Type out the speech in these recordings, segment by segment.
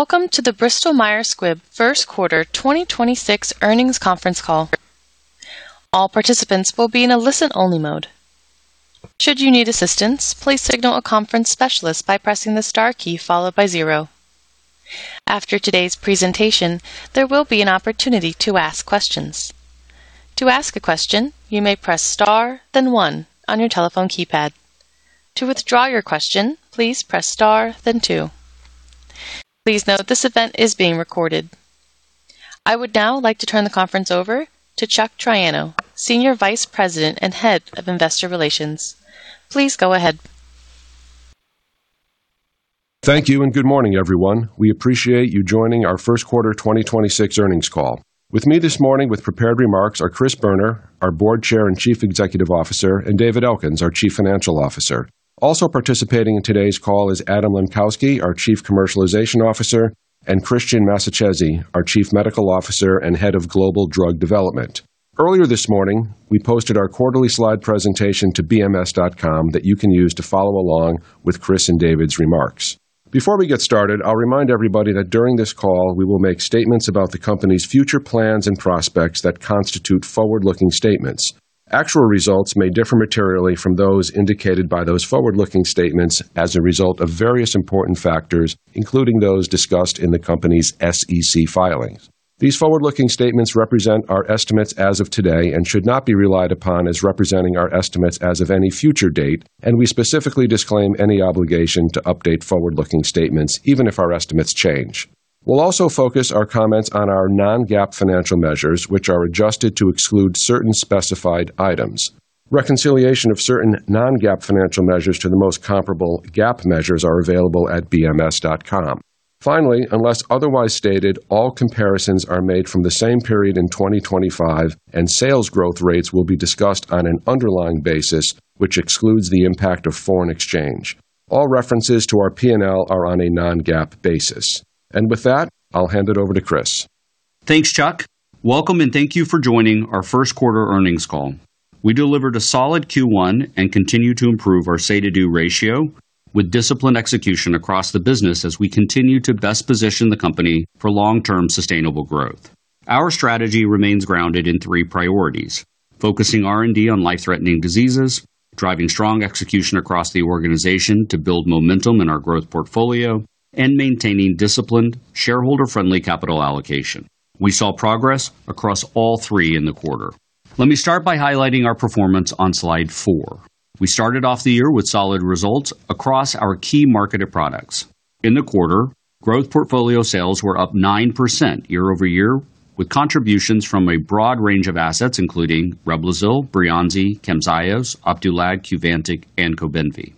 Welcome to the Bristol Myers Squibb First Quarter 2026 Earnings conference call. All participants will be in a listen-only mode. Should you need assistance, please signal a conference specialist by pressing the star key followed by zero. After today's presentation, there will be an opportunity to ask questions. To ask a question, you may press star then one on your telephone keypad. To withdraw your question, please press star then two. I would now like to turn the conference over to Chuck Triano, Senior Vice President and Head of Investor Relations. Please go ahead. Thank you and good morning, everyone. We appreciate you joining our first quarter 2026 earnings call. With me this morning with prepared remarks are Chris Boerner, our Board Chair and Chief Executive Officer, and David Elkins, our Chief Financial Officer. Also participating in today's call is Adam Lenkowsky, our Chief Commercialization Officer, and Cristian Massacesi, our Chief Medical Officer and Head of Global Drug Development. Earlier this morning, we posted our quarterly slide presentation to bms.com that you can use to follow along with Chris and David's remarks. Before we get started, I'll remind everybody that during this call we will make statements about the company's future plans and prospects that constitute forward-looking statements. Actual results may differ materially from those indicated by those forward-looking statements as a result of various important factors, including those discussed in the company's SEC filings. These forward-looking statements represent our estimates as of today and should not be relied upon as representing our estimates as of any future date, and we specifically disclaim any obligation to update forward-looking statements even if our estimates change. We'll also focus our comments on our non-GAAP financial measures, which are adjusted to exclude certain specified items. Reconciliation of certain non-GAAP financial measures to the most comparable GAAP measures are available at bms.com. Finally, unless otherwise stated, all comparisons are made from the same period in 2025, and sales growth rates will be discussed on an underlying basis, which excludes the impact of foreign exchange. All references to our P&L are on a non-GAAP basis. With that, I'll hand it over to Chris. Thanks, Chuck. Welcome and thank you for joining our first quarter earnings call. We delivered a solid Q1 and continue to improve our say-do ratio with disciplined execution across the business as we continue to best position the company for long-term sustainable growth. Our strategy remains grounded in three priorities: focusing R&D on life-threatening diseases, driving strong execution across the organization to build momentum in our growth portfolio, and maintaining disciplined, shareholder-friendly capital allocation. We saw progress across all three in the quarter. Let me start by highlighting our performance on slide four. We started off the year with solid results across our key marketed products. In the quarter, growth portfolio sales were up 9% year-over-year, with contributions from a broad range of assets, including Reblozyl, Breyanzi, Camzyos, Opdualag, Qvantig and Cobenfy.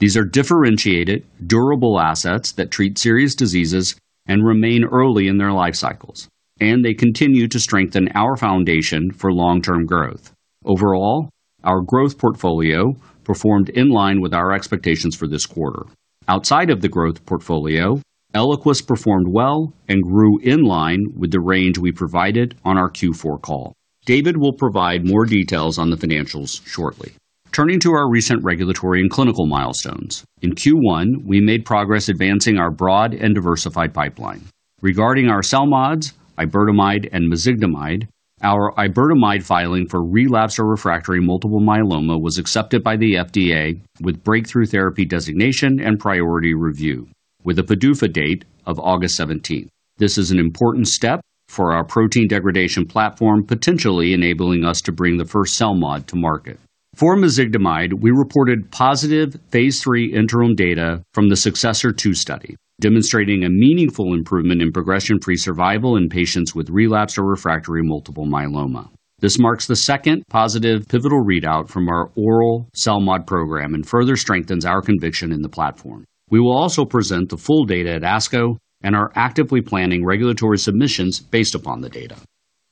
These are differentiated, durable assets that treat serious diseases and remain early in their life cycles. They continue to strengthen our foundation for long-term growth. Overall, our growth portfolio performed in line with our expectations for this quarter. Outside of the growth portfolio, Eliquis performed well and grew in line with the range we provided on our Q4 call. David will provide more details on the financials shortly. Turning to our recent regulatory and clinical milestones. In Q1, we made progress advancing our broad and diversified pipeline. Regarding our CELMoDs, iberdomide and mezigdomide, our iberdomide filing for relapsed or refractory multiple myeloma was accepted by the FDA with breakthrough therapy designation and priority review with a PDUFA date of August 17th. This is an important step for our protein degradation platform, potentially enabling us to bring the first CELMoD to market. For mezigdomide, we reported positive phase III interim data from the SUCCESSOR-2 study, demonstrating a meaningful improvement in progression-free survival in patients with relapsed or refractory multiple myeloma. This marks the second positive pivotal readout from our oral CELMoD program and further strengthens our conviction in the platform. We will also present the full data at ASCO and are actively planning regulatory submissions based upon the data.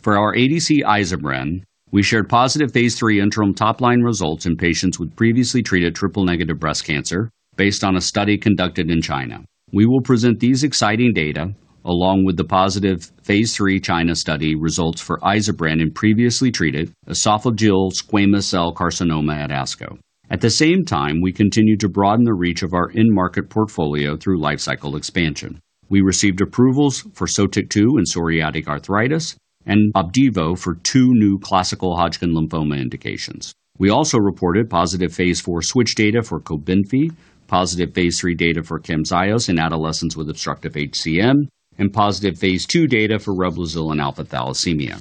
For our ADC iza-bren, we shared positive phase III interim top-line results in patients with previously treated triple-negative breast cancer based on a study conducted in China. We will present these exciting data along with the positive phase III China study results for iza-bren in previously treated esophageal squamous cell carcinoma at ASCO. At the same time, we continue to broaden the reach of our end market portfolio through lifecycle expansion. We received approvals for Sotyktu in psoriatic arthritis and Opdivo for two new classical Hodgkin lymphoma indications. We also reported positive phase IV switch data for Cobenfy, positive phase III data for Camzyos in adolescents with obstructive HCM, and positive phase II data for Reblozyl in Alpha Thalassemia.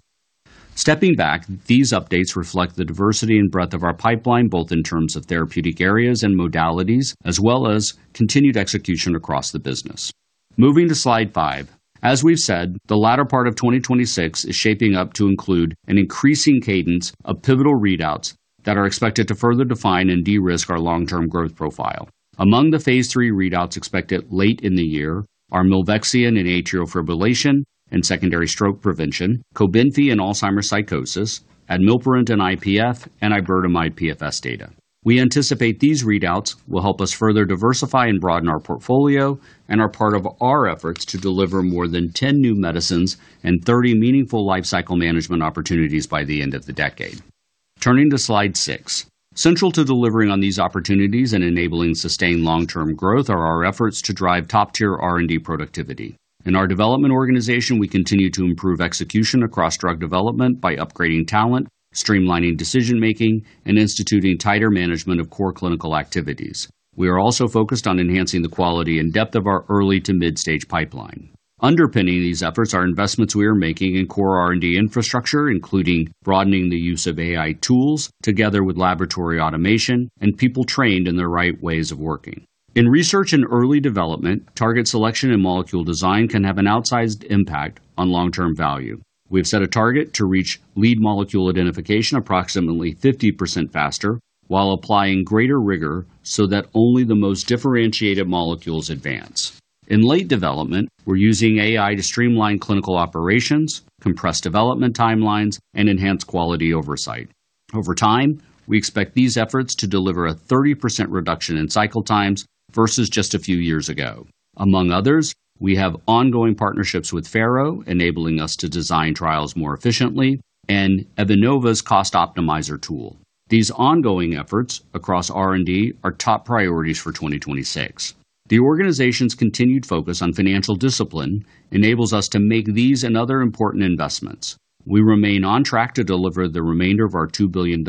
Stepping back, these updates reflect the diversity and breadth of our pipeline, both in terms of therapeutic areas and modalities, as well as continued execution across the business. Moving to slide five. As we've said, the latter part of 2026 is shaping up to include an increasing cadence of pivotal readouts that are expected to further define and de-risk our long-term growth profile. Among the phase III readouts expected late in the year are milvexian in atrial fibrillation and secondary stroke prevention, Cobenfy in Alzheimer's psychosis, admilparant in IPF, and iberdomide PFS data. We anticipate these readouts will help us further diversify and broaden our portfolio and are part of our efforts to deliver more than 10 new medicines and 30 meaningful lifecycle management opportunities by the end of the decade. Turning to slide six. Central to delivering on these opportunities and enabling sustained long-term growth are our efforts to drive top-tier R&D productivity. In our development organization, we continue to improve execution across drug development by upgrading talent, streamlining decision-making, and instituting tighter management of core clinical activities. We are also focused on enhancing the quality and depth of our early to midstage pipeline. Underpinning these efforts are investments we are making in core R&D infrastructure, including broadening the use of AI tools together with laboratory automation and people trained in the right ways of working. In research and early development, target selection and molecule design can have an outsized impact on long-term value. We've set a target to reach lead molecule identification approximately 50% faster while applying greater rigor so that only the most differentiated molecules advance. In late development, we're using AI to streamline clinical operations, compress development timelines, and enhance quality oversight. Over time, we expect these efforts to deliver a 30% reduction in cycle times versus just a few years ago. Among others, we have ongoing partnerships with Faro, enabling us to design trials more efficiently and Evinova's Cost Optimizer tool. These ongoing efforts across R&D are top priorities for 2026. The organization's continued focus on financial discipline enables us to make these and other important investments. We remain on track to deliver the remainder of our $2 billion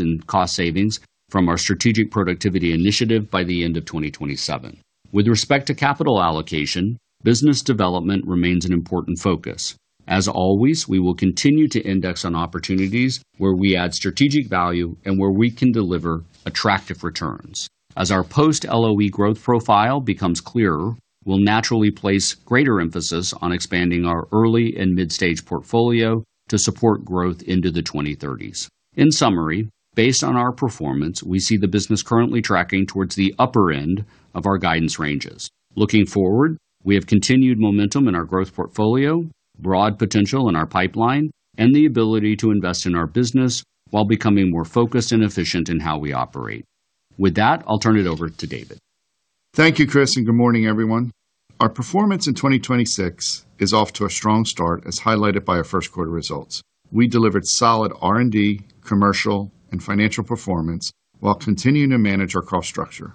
in cost savings from our strategic productivity initiative by the end of 2027. With respect to capital allocation, business development remains an important focus. As always, we will continue to index on opportunities where we add strategic value and where we can deliver attractive returns. As our post-LOE growth profile becomes clearer, we'll naturally place greater emphasis on expanding our early and midstage portfolio to support growth into the 2030s. In summary, based on our performance, we see the business currently tracking towards the upper end of our guidance ranges. Looking forward, we have continued momentum in our growth portfolio, broad potential in our pipeline, and the ability to invest in our business while becoming more focused and efficient in how we operate. With that, I'll turn it over to David. Thank you, Chris, and good morning, everyone. Our performance in 2026 is off to a strong start, as highlighted by our first quarter results. We delivered solid R&D, commercial, and financial performance while continuing to manage our cost structure.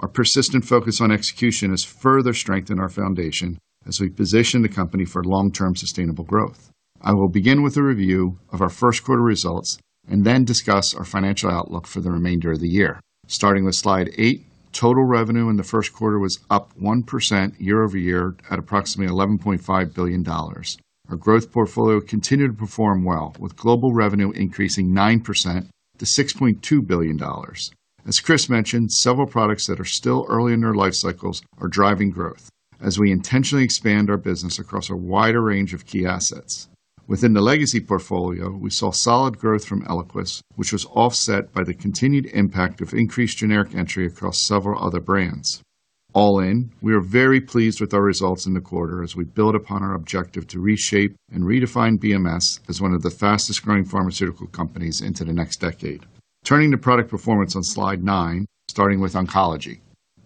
Our persistent focus on execution has further strengthened our foundation as we position the company for long-term sustainable growth. I will begin with a review of our first quarter results and then discuss our financial outlook for the remainder of the year. Starting with slide eight, total revenue in the first quarter was up 1% year-over-year at approximately $11.5 billion. Our growth portfolio continued to perform well, with global revenue increasing 9% to $6.2 billion. As Chris mentioned, several products that are still early in their life cycles are driving growth as we intentionally expand our business across a wider range of key assets. Within the legacy portfolio, we saw solid growth from Eliquis, which was offset by the continued impact of increased generic entry across several other brands. All in, we are very pleased with our results in the quarter as we build upon our objective to reshape and redefine BMS as one of the fastest-growing pharmaceutical companies into the next decade. Turning to product performance on slide nine, starting with oncology.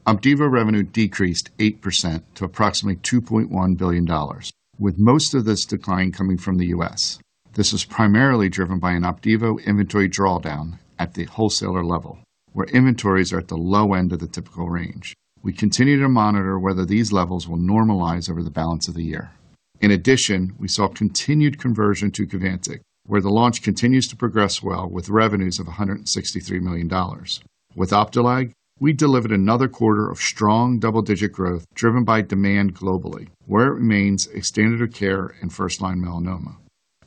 Opdivo revenue decreased 8% to approximately $2.1 billion, with most of this decline coming from the U.S. This is primarily driven by an Opdivo inventory drawdown at the wholesaler level, where inventories are at the low end of the typical range. We continue to monitor whether these levels will normalize over the balance of the year. We saw continued conversion to Qvantig, where the launch continues to progress well with revenues of $163 million. With Opdualag, we delivered another quarter of strong double-digit growth driven by demand globally, where it remains a standard of care in first-line melanoma.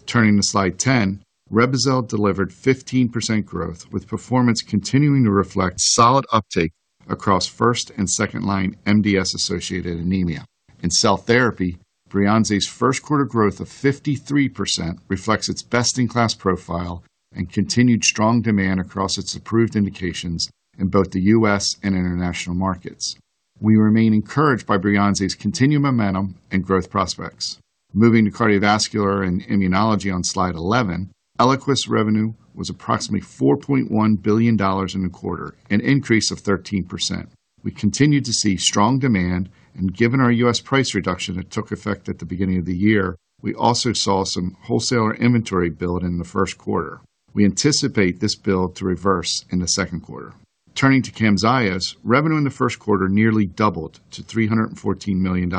Turning to slide 10, Reblozyl delivered 15% growth, with performance continuing to reflect solid uptake across first and second-line MDS-associated anemia. In cell therapy, Breyanzi's first-quarter growth of 53% reflects its best-in-class profile and continued strong demand across its approved indications in both the U.S. and international markets. We remain encouraged by Breyanzi's continued momentum and growth prospects. Moving to cardiovascular and immunology on slide 11, Eliquis revenue was approximately $4.1 billion in the quarter, an increase of 13%. We continued to see strong demand, given our U.S. price reduction that took effect at the beginning of the year, we also saw some wholesaler inventory build in the first quarter. We anticipate this build to reverse in the second quarter. Turning to Camzyos, revenue in the first quarter nearly doubled to $314 million,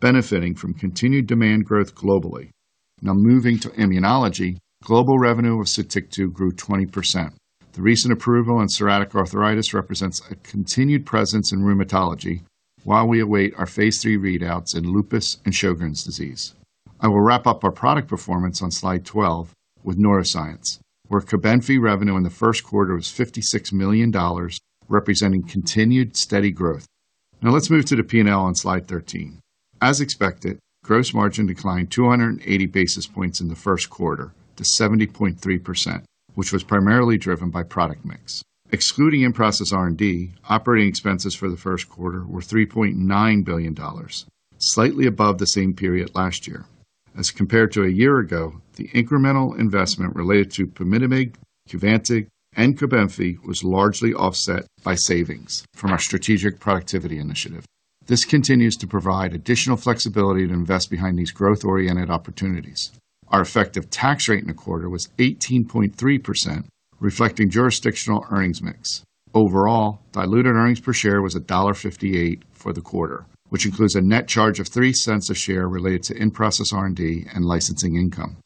benefiting from continued demand growth globally. Moving to immunology, global revenue of Sotyktu grew 20%. The recent approval in psoriatic arthritis represents a continued presence in rheumatology while we await our phase III readouts in lupus and Sjögren's disease. I will wrap up our product performance on slide 12 with neuroscience, where Cobenfy revenue in the first quarter was $56 million, representing continued steady growth. Let's move to the P&L on slide 13. As expected, gross margin declined 280 basis points in the first quarter to 70.3%, which was primarily driven by product mix. Excluding in-process R&D, operating expenses for the first quarter were $3.9 billion, slightly above the same period last year. As compared to a year ago, the incremental investment related to Pumitamig, Qvantig, and Cobenfy was largely offset by savings from our strategic productivity initiative. This continues to provide additional flexibility to invest behind these growth-oriented opportunities. Our effective tax rate in the quarter was 18.3%, reflecting jurisdictional earnings mix. Overall, diluted earnings per share was $1.58 for the quarter, which includes a net charge of $0.03 a share related to in-process R&D and licensing income.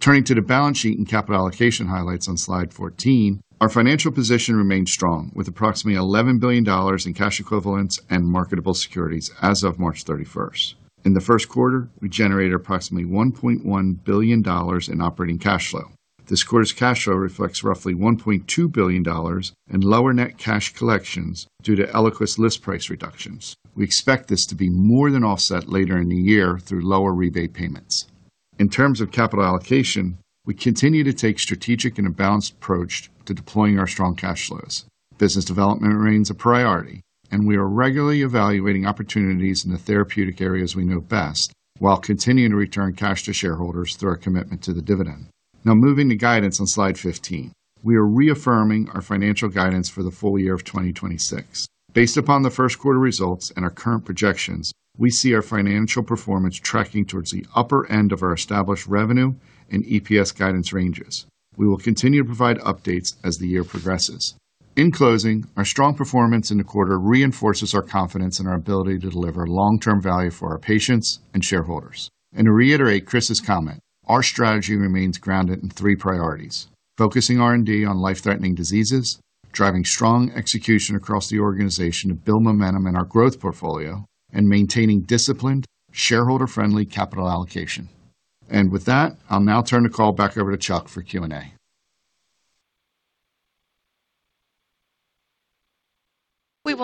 Turning to the balance sheet and capital allocation highlights on slide 14. Our financial position remains strong with approximately $11 billion in cash equivalents and marketable securities as of March 31st. In the first quarter, we generated approximately $1.1 billion in operating cash flow. This quarter's cash flow reflects roughly $1.2 billion in lower net cash collections due to Eliquis list price reductions. We expect this to be more than offset later in the year through lower rebate payments. In terms of capital allocation, we continue to take strategic and a balanced approach to deploying our strong cash flows. Business development remains a priority, and we are regularly evaluating opportunities in the therapeutic areas we know best, while continuing to return cash to shareholders through our commitment to the dividend. Now moving to guidance on slide 15. We are reaffirming our financial guidance for the full year of 2026. Based upon the first quarter results and our current projections, we see our financial performance tracking towards the upper end of our established revenue and EPS guidance ranges. We will continue to provide updates as the year progresses. In closing, our strong performance in the quarter reinforces our confidence in our ability to deliver long-term value for our patients and shareholders. To reiterate Chris's comment, our strategy remains grounded in three priorities. Focusing R&D on life-threatening diseases, driving strong execution across the organization to build momentum in our growth portfolio, and maintaining disciplined, shareholder-friendly capital allocation. With that, I'll now turn the call back over to Chuck for Q&A. We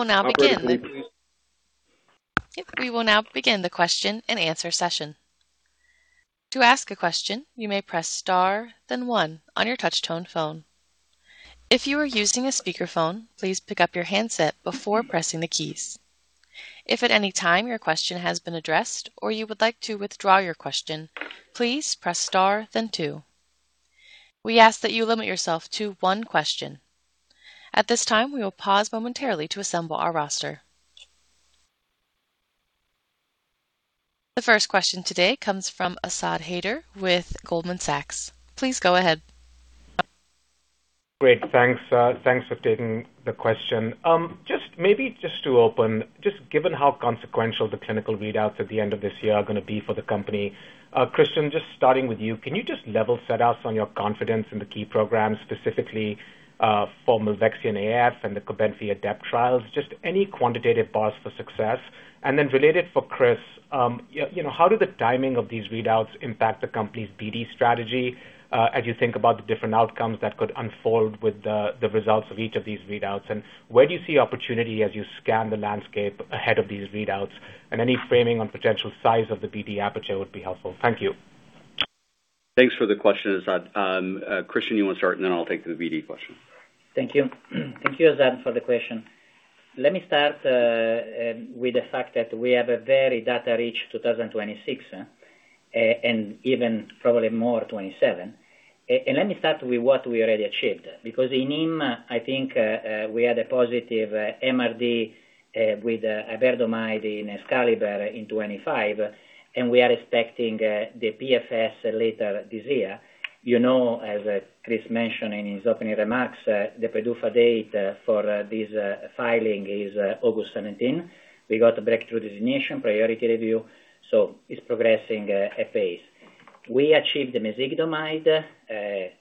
will now begin the question-and-answer session. The first question today comes from Asad Haider with Goldman Sachs. Please go ahead. Great. Thanks, thanks for taking the question. Just maybe just to open, just given how consequential the clinical readouts at the end of this year are going to be for the company. Cristian, just starting with you, can you just level set us on your confidence in the key programs, specifically, for Milvexian AF and the Cobenfy ADEPT trials? Just any quantitative bars for success. Related for Chris, you know, how did the timing of these readouts impact the company's BD strategy, as you think about the different outcomes that could unfold with the results of each of these readouts? Where do you see opportunity as you scan the landscape ahead of these readouts? Any framing on potential size of the BD aperture would be helpful. Thank you. Thanks for the question, Asad. Cristian, you want to start, and then I'll take the BD question. Thank you. Thank you, Asad, for the question. Let me start with the fact that we have a very data-rich 2026, and even probably more 2027. Let me start with what we already achieved. Because in IM, I think, we had a positive MRD with iberdomide in EXCALIBER in 2025, and we are expecting the PFS later this year. You know, as Chris mentioned in his opening remarks, the PDUFA date for this filing is August 17th. We got a breakthrough designation, priority review, it's progressing at pace. We achieved the mezigdomide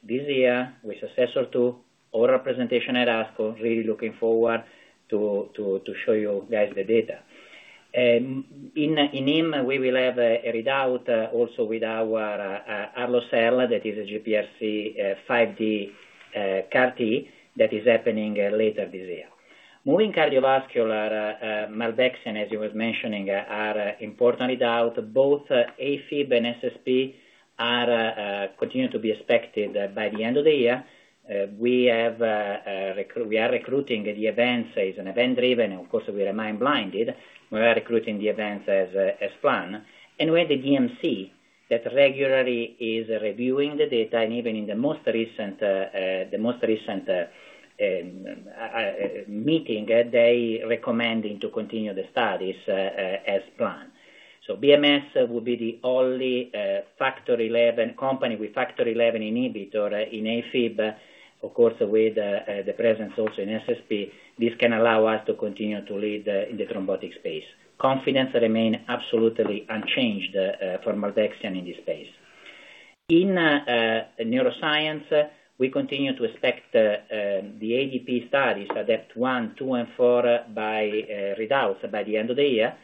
this year with SUCCESSOR-2 oral presentation at ASCO. Really looking forward to show you guys the data. In IM, we will have a readout also with our Arlo-cel. That is a GPRC5D CAR T that is happening later this year. Moving cardiovascular, milvexian, as you were mentioning, are important readout. Both AFib and SSP continue to be expected by the end of the year. We are recruiting the events as an event-driven. Of course, we remain blinded. We are recruiting the events as planned. We have the DMC that regularly is reviewing the data. Even in the most recent meeting, they recommend to continue the studies as planned. BMS will be the only Factor XI company with Factor XI inhibitor in AFib. Of course, with the presence also in SSP, this can allow us to continue to lead in the thrombotic space. Confidence remain absolutely unchanged for milvexian in this space. In neuroscience, we continue to expect the ADP studies, ADEPT-1, ADEPT-2, and ADEPT-4 by readouts by the end of the year.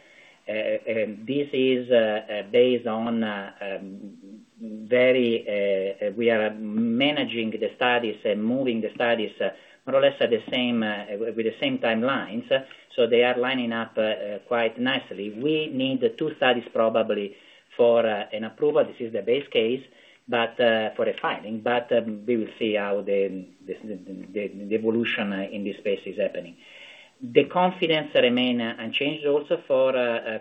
We are managing the studies and moving the studies more or less at the same with the same timelines, so they are lining up quite nicely. We need the two studies probably for an approval. This is the base case, but for a filing, but we will see how the evolution in this space is happening. The confidence remain unchanged also for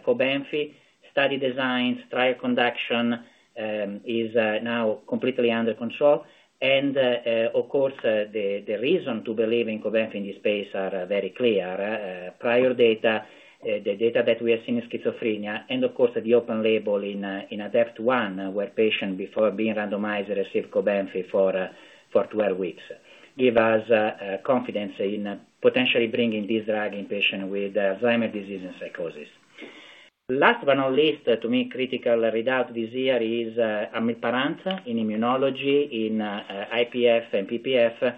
Cobenfy. Study designs, trial conduction, is now completely under control. Of course, the reason to believe in Cobenfy in this space are very clear. Prior data, the data that we have seen in schizophrenia and of course, the open label in ADEPT-1, where patient before being randomized received Cobenfy for 12 weeks, give us confidence in potentially bringing this drug in patient with Alzheimer's disease psychosis. Last but not least, to me, critical readout this year is admilparant in immunology in IPF and PPF.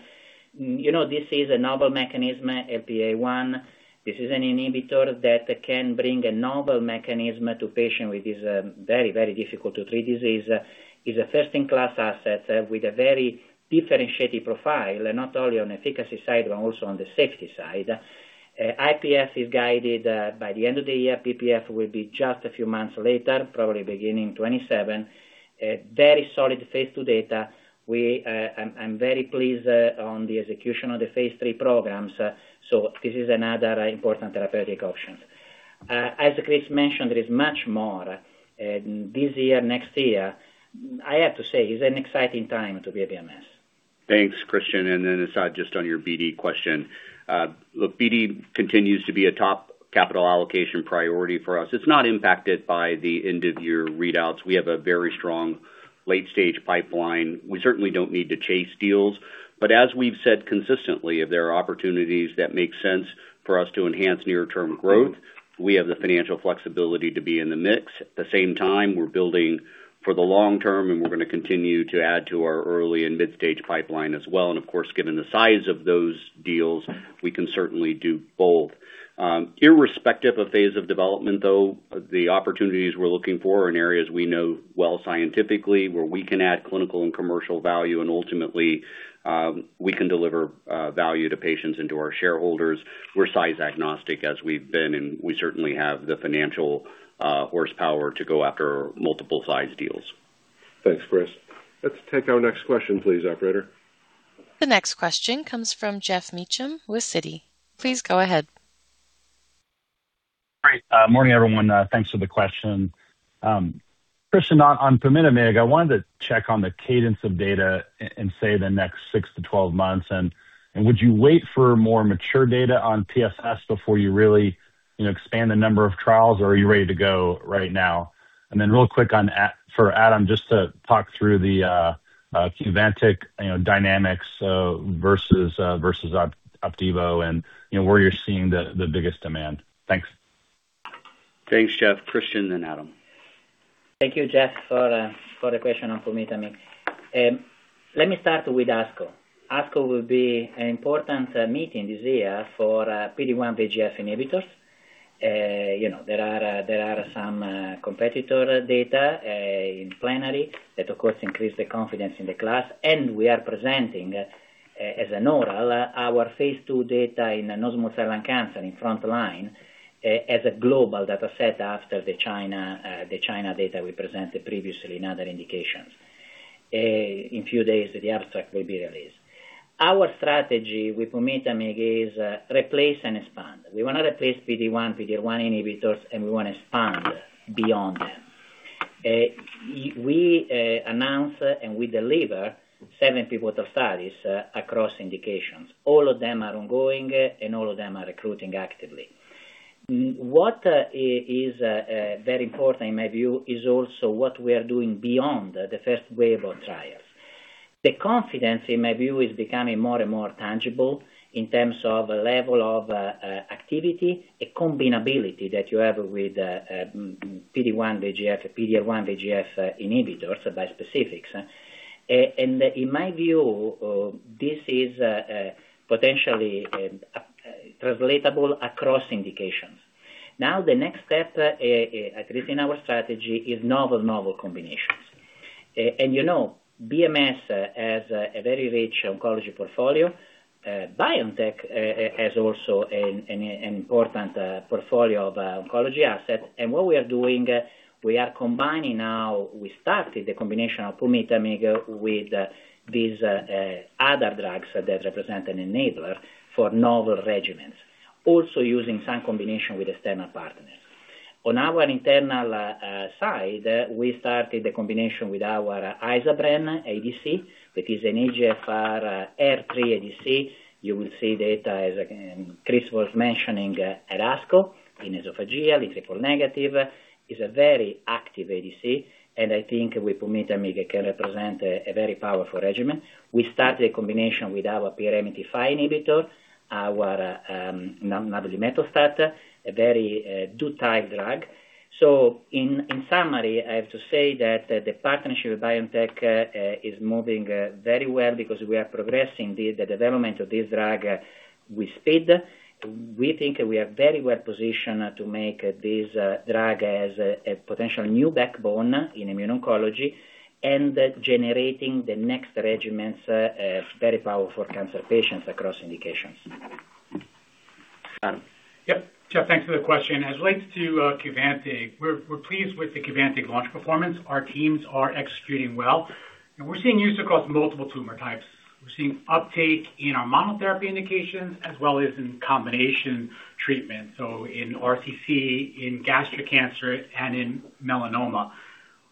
You know, this is a novel mechanism, LPA1. This is an inhibitor that can bring a novel mechanism to patient with this very very difficult to treat disease. It's a first in class asset with a very differentiated profile, not only on efficacy side, but also on the safety side. IPF is guided by the end of the year. PPF will be just a few months later, probably beginning 2027. Very solid phase II data. I'm very pleased on the execution of the phase III programs. This is another important therapeutic option. As Chris mentioned, there is much more this year, next year. I have to say, it's an exciting time to be at BMS. Thanks, Cristian. Asad, just on your BD question. Look, BD continues to be a top capital allocation priority for us. It's not impacted by the end of year readouts. We have a very strong late stage pipeline. We certainly don't need to chase deals. As we've said consistently, if there are opportunities that make sense for us to enhance near term growth, we have the financial flexibility to be in the mix. At the same time, we're building for the long term, and we're going to continue to add to our early and mid-stage pipeline as well. Of course, given the size of those deals, we can certainly do both. Irrespective of phase of development, though, the opportunities we're looking for in areas we know well scientifically where we can add clinical and commercial value and ultimately, we can deliver value to patients and to our shareholders. We're size agnostic as we've been, and we certainly have the financial horsepower to go after multiple size deals. Thanks, Chris. Let's take our next question, please, operator. The next question comes from Geoff Meacham with Citi. Please go ahead. Great. Morning, everyone. Thanks for the question. Cristian, on Pumitamig, I wanted to check on the cadence of data in, say, the next six to 12 months. Would you wait for more mature data on TSS before you really, you know, expand the number of trials, or are you ready to go right now? Real quick for Adam, just to talk through the Qvantig, you know, dynamics versus Opdivo and, you know, where you're seeing the biggest demand. Thanks. Thanks, Geoff. Cristian, then Adam. Thank you, Geoff, for the question on Pumitamig. Let me start with ASCO. ASCO will be an important meeting this year for PD-1/VEGF inhibitors. You know, there are some competitor data in plenary that of course, increase the confidence in the class. We are presenting as a normal, our phase II data in non-small cell lung cancer in front line as a global data set after the China data we presented previously in other indications. In few days, the abstract will be released. Our strategy with Pumitamig is replace and expand. We want to replace PD-1, PD-L1 inhibitors, and we want to expand beyond that. We announce and we deliver seven pivotal studies across indications. All of them are ongoing, and all of them are recruiting actively. What is very important in my view is also what we are doing beyond the first wave of trials. The confidence in my view, is becoming more and more tangible in terms of level of activity, a combinability that you have with PD-1/VEGF, PD-L1/VEGF inhibitors by specifics. In my view, this is potentially translatable across indications. Now, the next step, at least in our strategy, is novel combinations. You know, BMS has a very rich oncology portfolio. BioNTech has also an important portfolio of oncology assets. What we are doing, we are combining now. We started the combination of Pumitamig with these other drugs that represent an enabler for novel regimens, also using some combination with external partners. On our internal side, we started the combination with our iza-bren ADC, which is an EGFR-HER3 ADC. You will see data, as Chris was mentioning, at ASCO in esophageal, in triple negative. It's a very active ADC, and I think with Pumitamig, it can represent a very powerful regimen. We started a combination with our PRMT5 inhibitor, our navlimetostat, a very dual type drug. In, in summary, I have to say that the partnership with BioNTech is moving very well because we are progressing the development of this drug with speed. We think we are very well positioned to make this drug as a potential new backbone in immune oncology and generating the next regimens as very powerful cancer patients across indications. Adam? Yep. Geoff, thanks for the question. As it relates to Qvantig, we're pleased with the Qvantig launch performance. Our teams are executing well, and we're seeing use across multiple tumor types. We're seeing uptake in our monotherapy indications as well as in combination treatment, so in RCC, in gastric cancer, and in melanoma.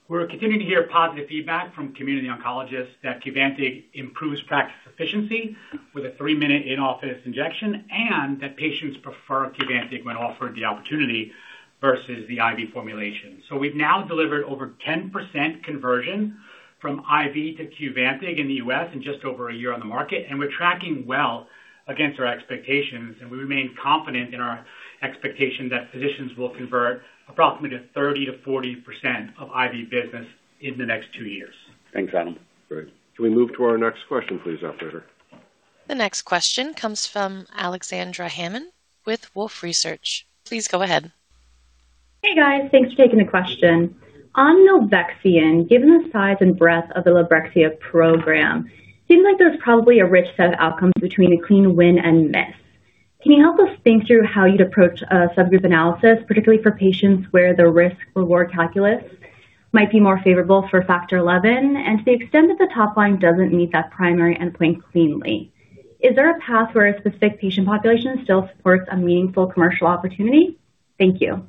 We're continuing to hear positive feedback from community oncologists that Qvantig improves practice efficiency with a 3-minute in-office injection, and that patients prefer Qvantig when offered the opportunity versus the IV formulation. We've now delivered over 10% conversion from IV to Qvantig in the U.S. in just over a year on the market, and we're tracking well against our expectations. We remain confident in our expectation that physicians will convert approximately 30%-40% of IV business in the next two years. Thanks, Adam. Great. Can we move to our next question please, operator? The next question comes from Alexandria Hammond with Wolfe Research. Please go ahead. Hey, guys. Thanks for taking the question. On milvexian, given the size and breadth of the Librexia program, seems like there's probably a rich set of outcomes between a clean win and miss. Can you help us think through how you'd approach a subgroup analysis, particularly for patients where the risk-reward calculus might be more favorable for Factor XI? To the extent that the top line doesn't meet that primary endpoint cleanly, is there a path where a specific patient population still supports a meaningful commercial opportunity? Thank you.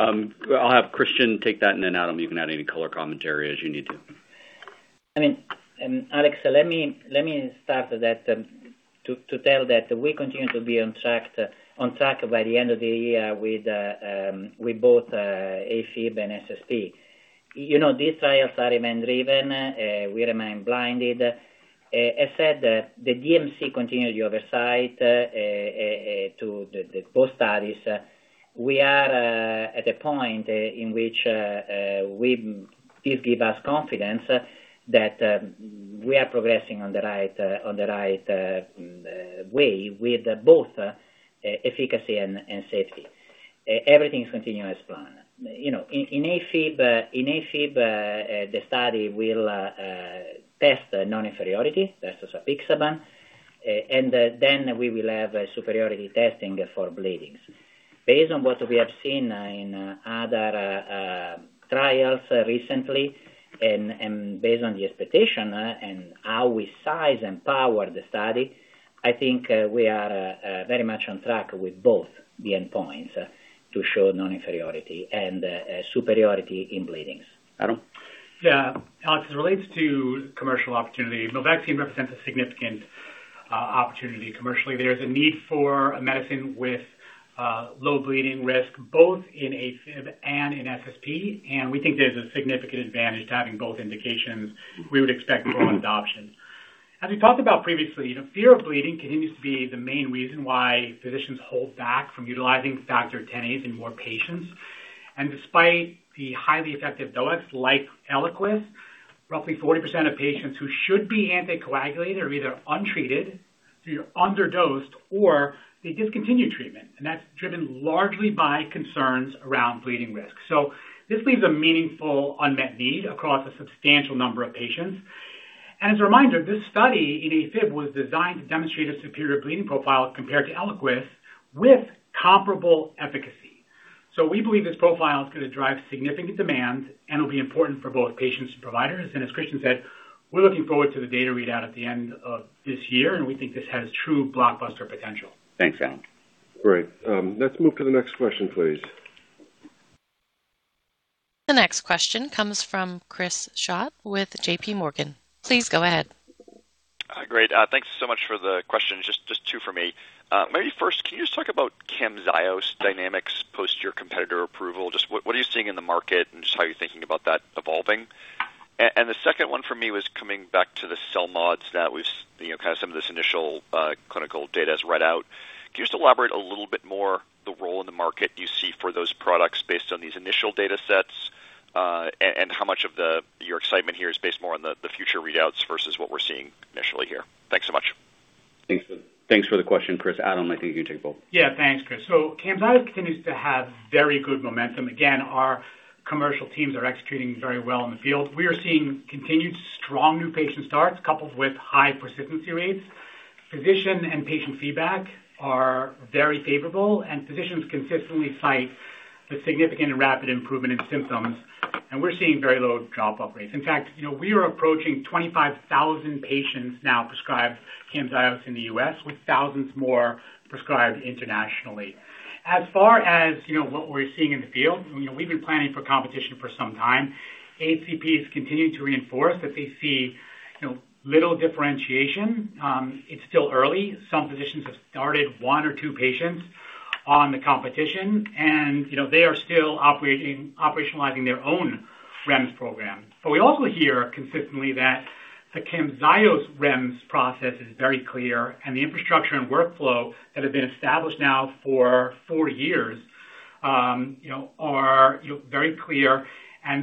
I'll have Cristian take that, and then Adam, you can add any color commentary as you need to. I mean, Alex, let me start that to tell that we continue to be on track by the end of the year with both AFib and SSP. You know, these trials are remained driven. We remain blinded. As said, the DMC continues the oversight to the both studies. We are at a point in which this give us confidence that we are progressing on the right way with both efficacy and safety. Everything is continuing as planned. You know, in AFib, the study will test non-inferiority versus apixaban. Then we will have a superiority testing for bleedings. Based on what we have seen in other trials recently and based on the expectation and how we size and power the study, I think, we are very much on track with both the endpoints to show non-inferiority and superiority in bleedings. Adam? Yeah. Alex, as it relates to commercial opportunity, milvexian represents a significant opportunity commercially. There's a need for a medicine with low bleeding risk both in AFib and in SSP, and we think there's a significant advantage to having both indications. We would expect broad adoption. As we talked about previously, you know, fear of bleeding continues to be the main reason why physicians hold back from utilizing Factor Xa's in more patients. Despite the highly effective DOACs like Eliquis, roughly 40% of patients who should be anticoagulated are either untreated, so you're underdosed or they discontinue treatment, and that's driven largely by concerns around bleeding risk. This leaves a meaningful unmet need across a substantial number of patients. As a reminder, this study in AFib was designed to demonstrate a superior bleeding profile compared to Eliquis with comparable efficacy. We believe this profile is gonna drive significant demand and will be important for both patients and providers. As Cristian said, we're looking forward to the data readout at the end of this year, and we think this has true blockbuster potential. Thanks, Adam. Great. Let's move to the next question, please. The next question comes from Chris Schott with JPMorgan. Please go ahead. Great. Thanks so much for the questions. Just two for me. Maybe first, can you just talk about Camzyos dynamics post your competitor approval? Just what are you seeing in the market, and just how are you thinking about that evolving? The second one for me was coming back to the CELMoDs. That was, you know, kind of some of this initial clinical data is read out. Can you just elaborate a little bit more the role in the market you see for those products based on these initial data sets, and how much of the, your excitement here is based more on the future readouts versus what we're seeing initially here? Thanks so much. Thanks for the question, Chris. Adam, I think you can take both. Thanks, Chris. Camzyos continues to have very good momentum. Our commercial teams are executing very well in the field. We are seeing continued strong new patient starts coupled with high persistency rates. Physician and patient feedback are very favorable, and physicians consistently cite the significant and rapid improvement in symptoms, and we're seeing very low drop-off rates. In fact, you know, we are approaching 25,000 patients now prescribed Camzyos in the U.S., with thousands more prescribed internationally. As far as, you know, what we're seeing in the field, you know, we've been planning for competition for some time. HCP has continued to reinforce that they see, you know, little differentiation. It's still early. Some physicians have started one or two patients on the competition and, you know, they are still operating, operationalizing their own REMS program. We also hear consistently that the Camzyos REMS process is very clear, and the infrastructure and workflow that have been established now for four years, you know, are, you know, very clear.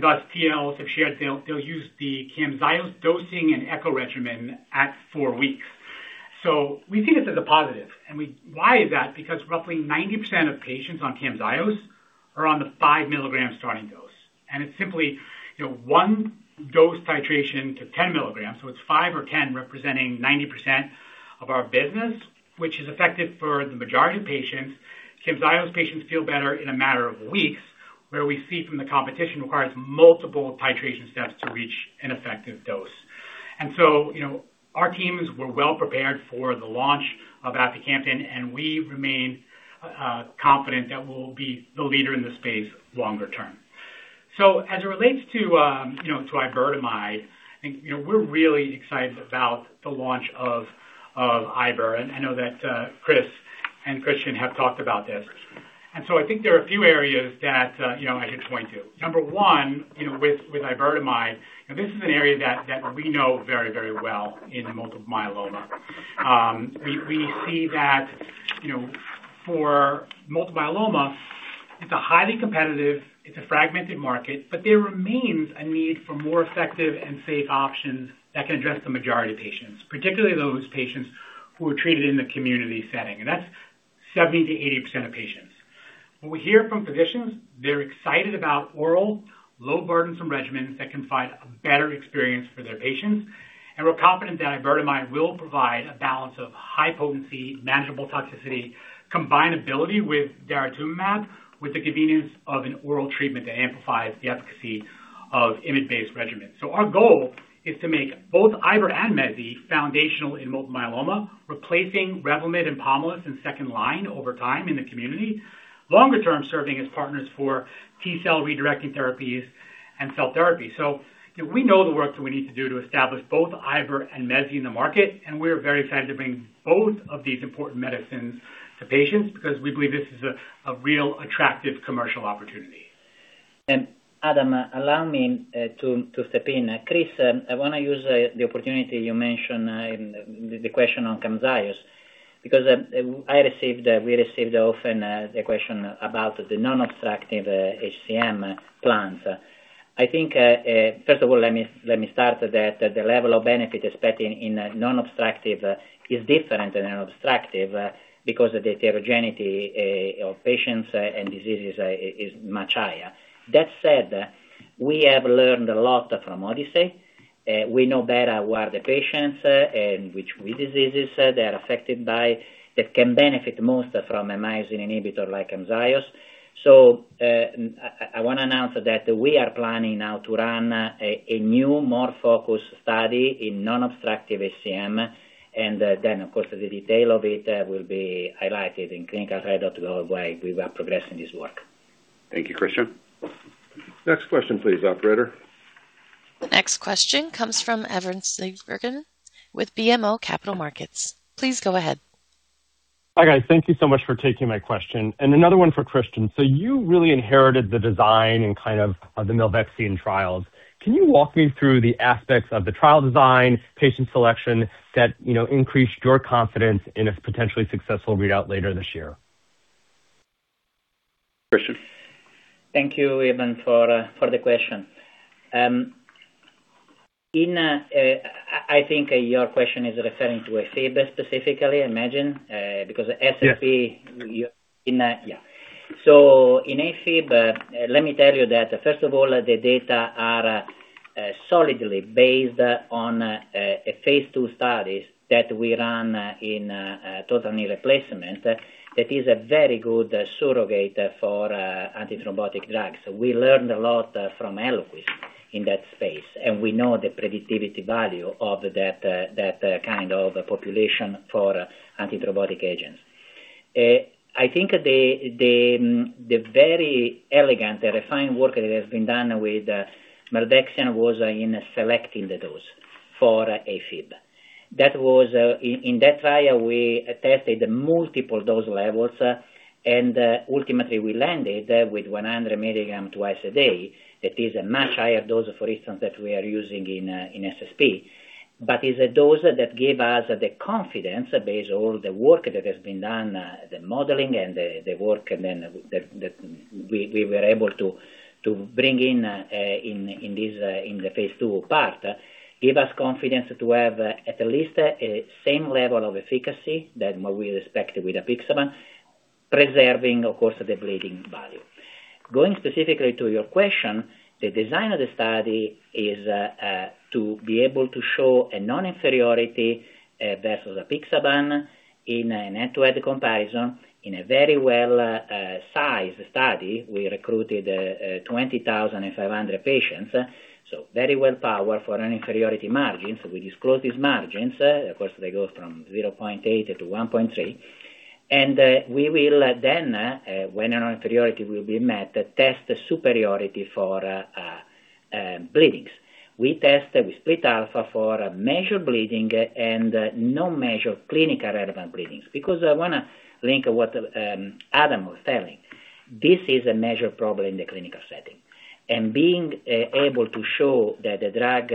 Thus, CLs have shared they'll use the Camzyos dosing and echo regimen at four weeks. We see this as a positive. Why is that? Because roughly 90% of patients on Camzyos are on the 5 mg starting dose. It's simply, you know, one dose titration to 10 mg. So, it's 5 or 10 representing 90% of our business, which is effective for the majority of patients. Camzyos patients feel better in a matter of weeks. Where we see from the competition requires multiple titration steps to reach an effective dose. You know, our teams were well prepared for the launch of aficamten, and we remain confident that we'll be the leader in the space longer term. As it relates to, you know, to iberdomide, I think, you know, we're really excited about the launch of iber. I know that Chris and Cristian have talked about this. I think there are a few areas that, you know, I could point to. Number one, you know, with iberdomide, and this is an area that we know very, very well in multiple myeloma. We see that, you know, for multiple myeloma, it's a highly competitive, it's a fragmented market, but there remains a need for more effective and safe options that can address the majority of patients, particularly those patients who are treated in the community setting, and that's 70%-80% of patients. When we hear from physicians, they're excited about oral, low-burdensome regimens that can provide a better experience for their patients. We're confident that iberdomide will provide a balance of high potency, manageable toxicity, combinability with daratumumab, with the convenience of an oral treatment that amplifies the efficacy of image-based regimens. Our goal is to make both iberdomide and mezigdomide foundational in multiple myeloma, replacing Revlimid and Pomalyst in second line over time in the community. Longer term, serving as partners for T cell redirecting therapies and cell therapy. We know the work that we need to do to establish both iber and mezi in the market, and we're very excited to bring both of these important medicines to patients because we believe this is a real attractive commercial opportunity. Adam, allow me to step in. Chris, I wanna use the opportunity you mentioned in the question on Camzyos, because I received, we received often the question about the non-obstructive HCM plans. I think first of all, let me start that the level of benefit expecting in a non-obstructive is different than an obstructive, because of the heterogeneity of patients and diseases is much higher. That said, we have learned a lot from ODYSSEY-HCM. We know better where the patients and which diseases they are affected by that can benefit most from a myosin inhibitor like Camzyos. I wanna announce that we are planning now to run a new, more focused study in non-obstructive HCM, of course, the detail of it will be highlighted in clinicaltrials.gov. We are progressing this work. Thank you, Cristian. Next question, please, operator. The next question comes from Evan Seigerman with BMO Capital Markets. Please go ahead. Hi, guys. Thank you so much for taking my question. Another one for Cristian. You really inherited the design and kind of the milvexian trials. Can you walk me through the aspects of the trial design, patient selection that, you know, increased your confidence in a potentially successful readout later this year? Cristian. Thank you, Evan, for the question. I think your question is referring to AFib specifically, I imagine, because. Yes. Yeah. In AFib, let me tell you that, first of all, the data are solidly based on a phase II studies that we run in total knee replacement. That is a very good surrogate for antithrombotic drugs. We learned a lot from Eliquis in that space, and we know the predictivity value of that kind of population for antithrombotic agents. I think the very elegant, the refined work that has been done with milvexian was in selecting the dose for AFib. That was in that trial, we tested multiple dose levels, and ultimately we landed with 100 milligram twice a day. That is a much higher dose, for instance, that we are using in SSP. It's a dose that gave us the confidence based all the work that has been done, the modeling and the work and then the phase II part, give us confidence to have at least the same level of efficacy that what we expected with apixaban, preserving of course the bleeding value. Going specifically to your question, the design of the study is to be able to show a non-inferiority versus apixaban in an end-to-end comparison in a very well sized study. We recruited 20,500 patients, very well powered for an inferiority margins. We disclose these margins. Of course, they go from 0.8 to 1.3. We will then, when an inferiority will be met, test the superiority for bleedings. We test with split alpha for measured bleeding and no measured clinical relevant bleedings. I wanna link what Adam was telling. This is a measured problem in the clinical setting, being able to show that the drug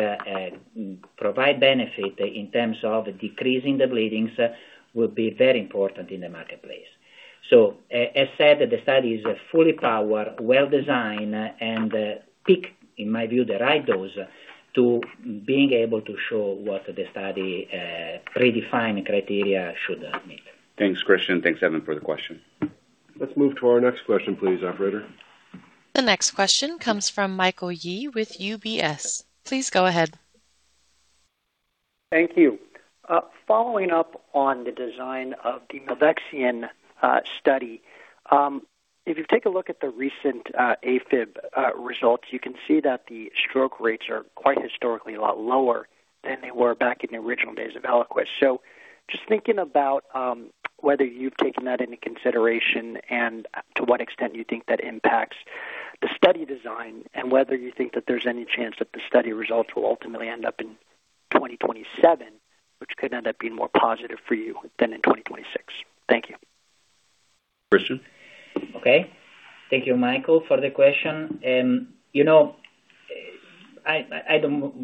provide benefit in terms of decreasing the bleedings will be very important in the marketplace. As said, the study is fully powered, well-designed, and pick, in my view, the right dose to being able to show what the study predefined criteria should meet. Thanks, Cristian. Thanks, Evan, for the question. Let's move to our next question, please, operator. The next question comes from Michael Yee with UBS. Please go ahead. Thank you. Following up on the design of the milvexian study. If you take a look at the recent AFib results, you can see that the stroke rates are quite historically a lot lower than they were back in the original days of Eliquis. Just thinking about whether you've taken that into consideration and to what extent you think that impacts the study design and whether you think that there's any chance that the study results will ultimately end up in 2027, which could end up being more positive for you than in 2026. Thank you. Cristian? Okay. Thank you, Michael, for the question. You know,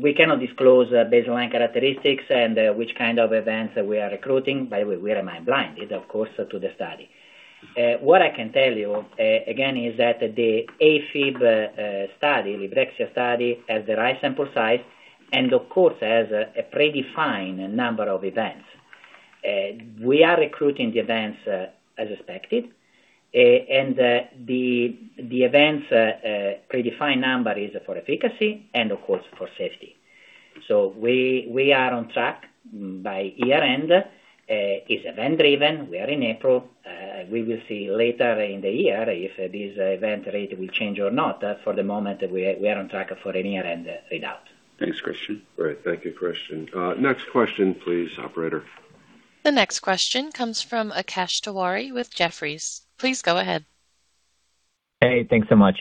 we cannot disclose baseline characteristics and which kind of events we are recruiting. By the way, we are blind, of course, to the study. What I can tell you again is that the AFib study, Librexia study, has the right sample size and of course, has a predefined number of events. We are recruiting the events as expected. The events predefined number is for efficacy and of course for safety. We are on track by year-end. It's event-driven. We are in April. We will see later in the year if this event rate will change or not. For the moment, we are on track for any year-end readout. Thanks, Cristian. Great. Thank you, Cristian. Next question please, operator. The next question comes from Akash Tewari with Jefferies. Please go ahead. Thanks so much.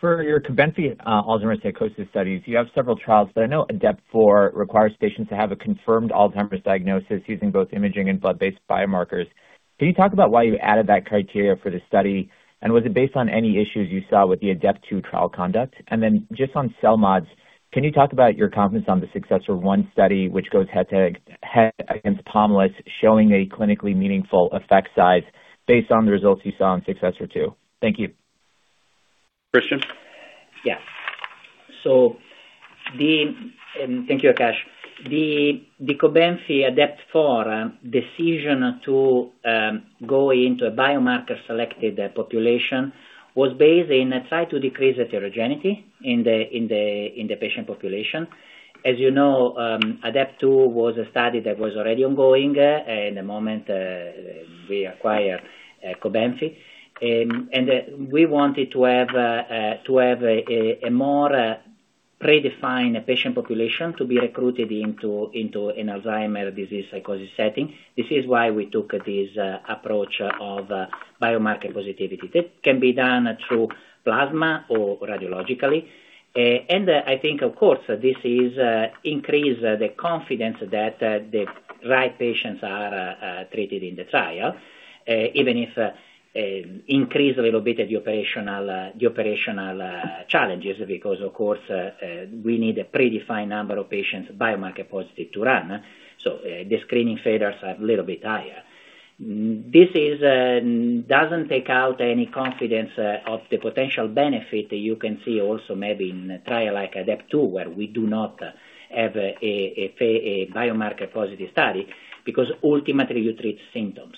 For your Cobenfy Alzheimer's psychosis studies, you have several trials, but I know ADEPT-4 requires patients to have a confirmed Alzheimer's diagnosis using both imaging and blood-based biomarkers. Can you talk about why you added that criteria for the study? Was it based on any issues you saw with the ADEPT-2 trial conduct? Just on CELMoDs, can you talk about your confidence on the SUCCESSOR-1 study, which goes head to head against Pomalyst, showing a clinically meaningful effect size based on the results you saw in SUCCESSOR-2? Thank you. Cristian? Thank you, Akash. The Cobenfy ADEPT-4 decision to go into a biomarker selected population was based in a try to decrease the heterogeneity in the patient population. As you know, ADEPT-2 was a study that was already ongoing in the moment we acquired Cobenfy. We wanted to have a more predefined patient population to be recruited into an Alzheimer's disease psychosis setting. This is why we took this approach of biomarker positivity. That can be done through plasma or radiologically. I think of course, this is increase the confidence that the right patients are treated in the trial, even if increase a little bit the operational, the operational challenges because of course, we need a predefined number of patients biomarker positive to run. The screening failures are a little bit higher. This doesn't take out any confidence of the potential benefit you can see also maybe in a trial like ADEPT-2, where we do not have a biomarker positive study because ultimately you treat symptoms,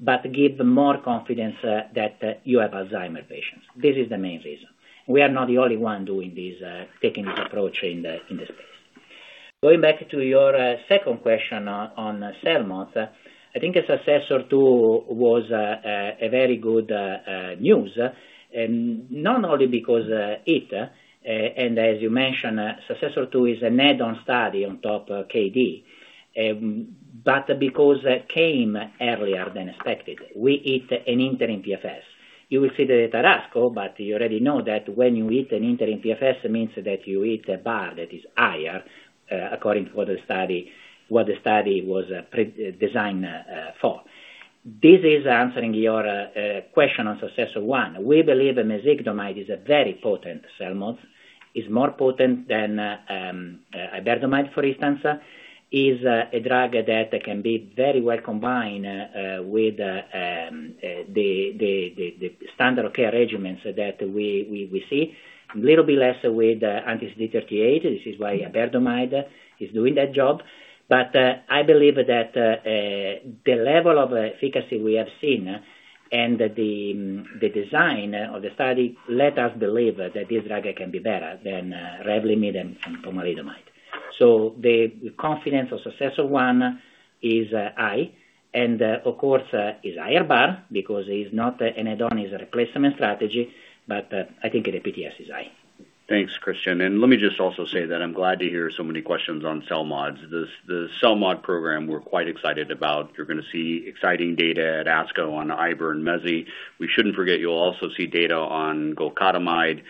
but give more confidence that you have Alzheimer patients. This is the main reason. We are not the only one doing this, taking this approach in the space. Going back to your second question on CELMoDs, I think SUCCESSOR-2 was a very good news, not only because it and as you mentioned, SUCCESSOR-2 is an add-on study on top of Kd, but because it came earlier than expected. We hit an interim PFS. You will see the data at ASCO, but you already know that when you hit an interim PFS, it means that you hit a bar that is higher according to what the study was designed for. This is answering your question on SUCCESSOR-1. We believe mezigdomide is a very potent CELMoD, is more potent than iberdomide, for instance, is a drug that can be very well combined with the standard of care regimens that we see. A little bit less with anti-CD38. This is why iberdomide is doing that job. I believe that the level of efficacy we have seen and the design of the study let us believe that this drug can be better than Revlimid and pomalidomide. The confidence of SUCCESSOR-1 is high and of course, is higher bar because it's not an add-on, it's a replacement strategy, but I think the PFS is high. Thanks, Cristian. Let me just also say that I'm glad to hear so many questions on CELMoDs. The CELMoD program we're quite excited about. You're going to see exciting data at ASCO on iberdomide and mezigdomide. We shouldn't forget you'll also see data on golcadomide,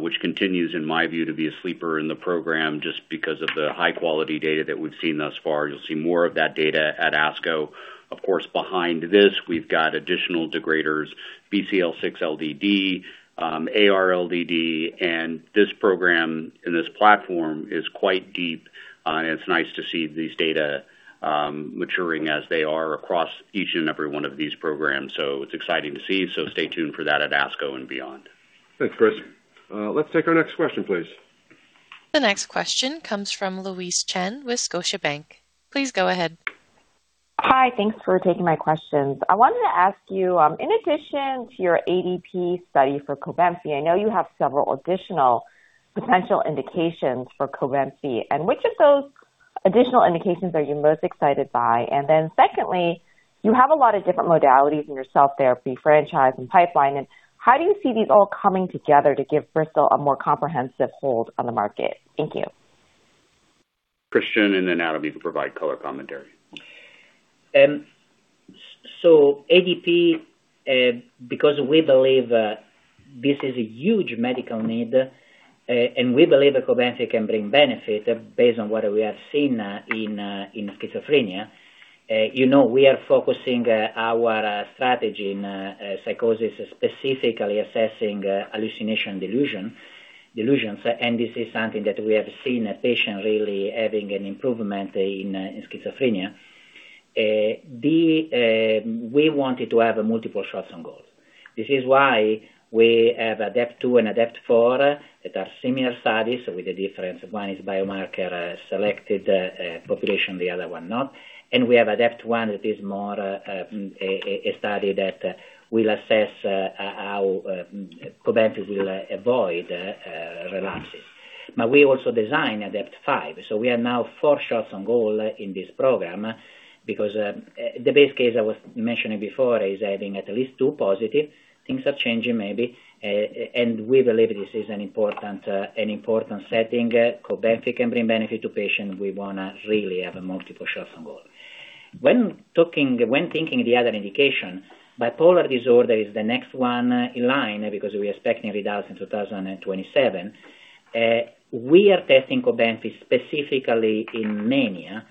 which continues in my view to be a sleeper in the program just because of the high quality data that we've seen thus far. You'll see more of that data at ASCO. Of course, behind this, we've got additional degraders, BCL6 LDD, AR LDD. This program and this platform is quite deep, and it's nice to see these data maturing as they are across each and every one of these programs. It's exciting to see. Stay tuned for that at ASCO and beyond. Thanks, Chris. Let's take our next question, please. The next question comes from Louise Chen with Scotiabank. Please go ahead. Hi. Thanks for taking my questions. I wanted to ask you, in addition to your ADEPT study for Cobenfy, I know you have several additional potential indications for Cobenfy. Which of those additional indications are you most excited by? Secondly, you have a lot of different modalities in your cell therapy franchise and pipeline. How do you see these all coming together to give Bristol a more comprehensive hold on the market? Thank you. Cristian, and then Adam, you can provide color commentary. ADP, because we believe that this is a huge medical need, and we believe that Cobenfy can bring benefit based on what we have seen in schizophrenia. You know, we are focusing our strategy in psychosis, specifically assessing hallucination delusions. This is something that we have seen a patient really having an improvement in schizophrenia. We wanted to have multiple shots on goal. This is why we have ADEPT-2 and ADEPT-4 that are similar studies. With the difference one is biomarker selected population, the other one not. We have ADEPT-1 that is more a study that will assess how Cobenfy will avoid relapsing. We also design ADEPT-5. We are now four shots on goal in this program because the base case I was mentioning before is having at least two positive. Things are changing, maybe. We believe this is an important, an important setting. Cobenfy can bring benefit to patients. We wanna really have a multiple shots on goal. When thinking the other indication, bipolar disorder is the next one in line because we expecting results in 2027. We are testing Cobenfy specifically in mania,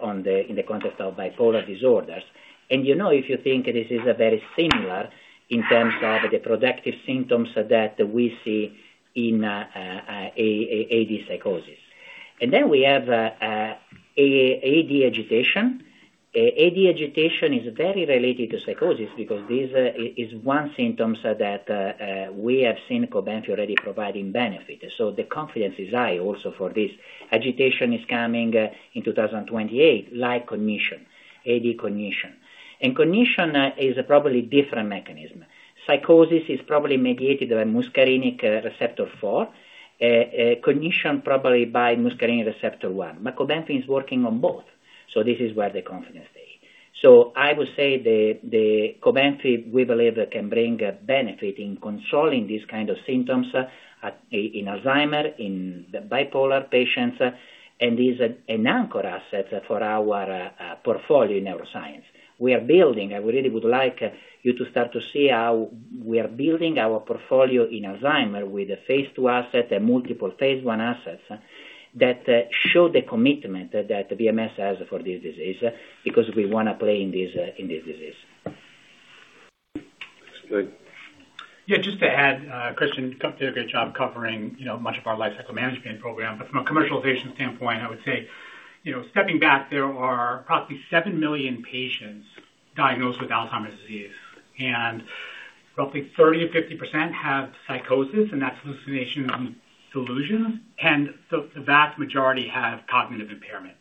on the, in the context of bipolar disorders. You know, if you think this is a very similar in terms of the productive symptoms that we see in AD psychosis. We have AD agitation. AD agitation is very related to psychosis because this is one symptom, so that we have seen Cobenfy already providing benefit. The confidence is high also for this. Agitation is coming in 2028, like cognition, AD cognition. Cognition is a probably different mechanism. Psychosis is probably mediated by muscarinic receptor 4, cognition probably by muscarinic receptor 1, but Cobenfy is working on both. This is where the confidence stay. I would say the Cobenfy we believe can bring a benefit in controlling these kind of symptoms at, in Alzheimer, in the bipolar patients, and is an anchor asset for our portfolio in neuroscience. We are building. I really would like you to start to see how we are building our portfolio in Alzheimer's disease with a phase II asset, a multiple phase I assets that show the commitment that BMS has for this disease, because we wanna play in this in this disease. That's good. Yeah, just to add, Cristian, you did a great job covering, you know, much of our lifecycle management program. From a commercialization standpoint, I would say, you know, stepping back, there are roughly 7 million patients diagnosed with Alzheimer's disease. Roughly 30%-50% have psychosis, and that's hallucinations and delusions. The vast majority have cognitive impairment.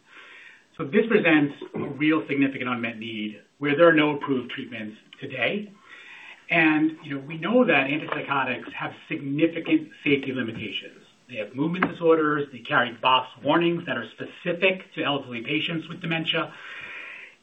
This presents a real significant unmet need where there are no approved treatments today. You know, we know that antipsychotics have significant safety limitations. They have movement disorders. They carry box warnings that are specific to elderly patients with dementia.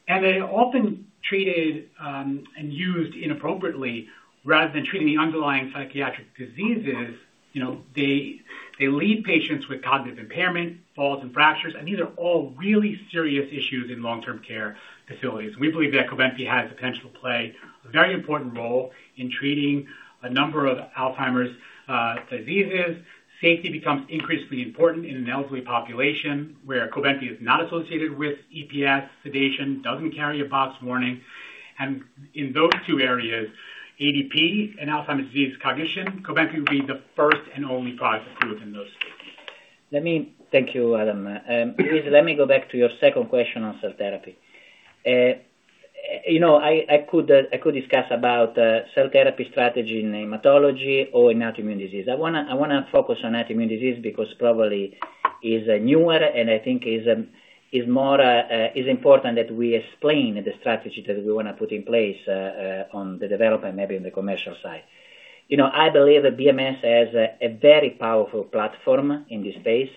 They're often treated and used inappropriately rather than treating the underlying psychiatric diseases. You know, they leave patients with cognitive impairment, falls and fractures. These are all really serious issues in long-term care facilities. We believe that Cobenfy has potential to play a very important role in treating a number of Alzheimer's diseases. Safety becomes increasingly important in an elderly population where Cobenfy is not associated with EPS sedation, doesn't carry a box warning. In those two areas, ADP and Alzheimer's disease cognition, Cobenfy would be the first and only product approved in those spaces. Thank you, Adam. Louise, let me go back to your second question on cell therapy. You know, I could discuss about cell therapy strategy in hematology or in autoimmune disease. I wanna focus on autoimmune disease because probably is newer and I think is more important that we explain the strategy that we wanna put in place on the development, maybe in the commercial side. You know, I believe BMS has a very powerful platform in this space,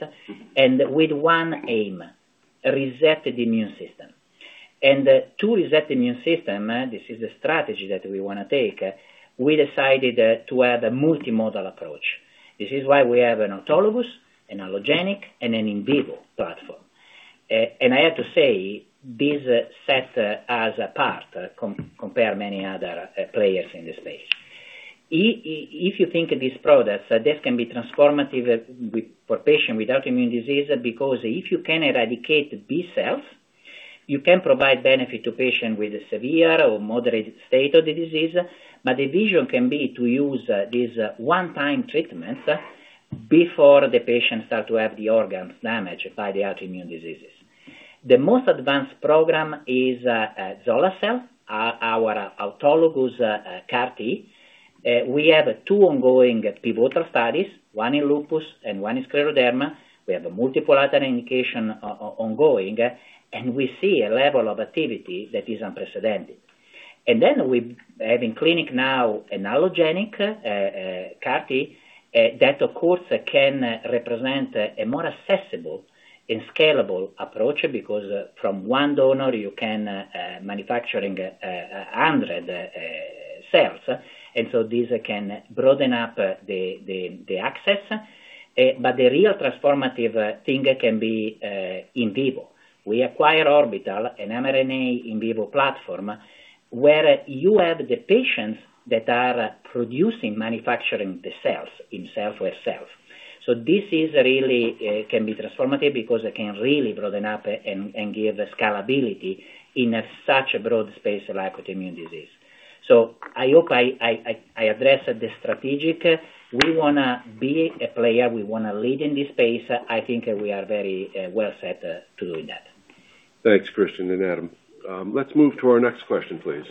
and with one aim, a reset the immune system. To reset the immune system, this is the strategy that we wanna take, we decided to have a multimodal approach. This is why we have an autologous, an allogeneic, and an in vivo platform. I have to say this set us apart compare many other players in this space. If you think of these products, this can be transformative for patient with autoimmune disease, because if you can eradicate B-cells, you can provide benefit to patient with a severe or moderate state of the disease. The vision can be to use this one time treatment before the patients start to have the organs damaged by the autoimmune diseases. The most advanced program is Zola-cel, our autologous CAR T, we have two ongoing pivotal studies, one in lupus and one in scleroderma. We have a multiple other indication ongoing, and we see a level of activity that is unprecedented. We have in clinic now an allogenic CAR T that of course can represent a more accessible and scalable approach because from one donor you can manufacturing 100 cells. This can broaden up the access. The real transformative thing can be in vivo. We acquire Orbital, an mRNA in vivo platform, where you have the patients that are producing, manufacturing the cells in cell versus self. This is really can be transformative because it can really broaden up and give scalability in such a broad space like autoimmune disease. I hope I addressed the strategic. We wanna be a player. We wanna lead in this space. I think we are very well set to doing that. Thanks, Cristian and Adam. Let's move to our next question, please.